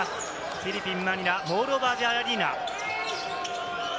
フィリピン・マニラのモール・オブ・アジア・アリーナ。